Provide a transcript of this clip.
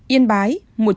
yên bái một trăm linh ba